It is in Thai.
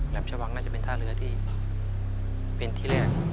ชะวังน่าจะเป็นท่าเรือที่เป็นที่แรก